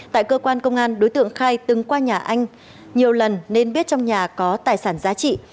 tại cơ quan công an đối tượng khai từng qua nhà anh nhiều lần nên biết trong nhà có tài sản giá trị